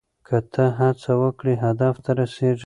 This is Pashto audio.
که ته هڅه وکړې هدف ته رسیږې.